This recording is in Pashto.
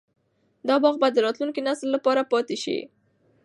دا باغ به د راتلونکي نسل لپاره پاتې شي.